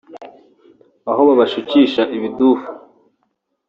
aho babashukisha ibidufu